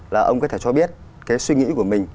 là ông có thể cho biết cái suy nghĩ của mình